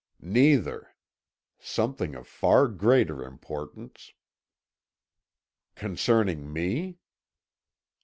"Neither. Something of far greater importance." "Concerning me?"